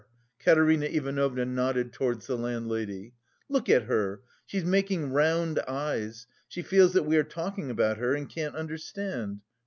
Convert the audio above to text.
Katerina Ivanovna nodded towards the landlady. "Look at her, she's making round eyes, she feels that we are talking about her and can't understand.